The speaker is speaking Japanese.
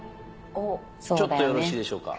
ちょっとよろしいでしょうか？